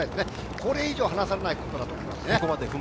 これ以上、離されないことだと思います。